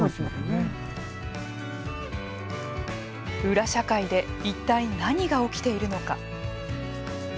裏社会で、一体何が起きているのか。